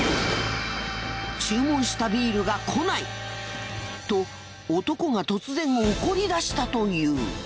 注文したビールが来ない！と男が突然怒り出したという。